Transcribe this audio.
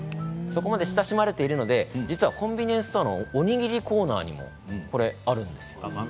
そこまで親しまれているのでコンビニエンスストアのおにぎりコーナーにもこれがあるんです。